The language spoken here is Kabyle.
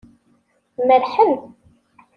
Merrḥen.